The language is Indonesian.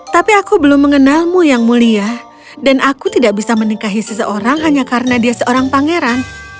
tapi aku belum mengenalmu yang mulia dan aku tidak bisa menikahi seseorang hanya karena dia seorang pangeran